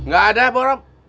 gak ada borok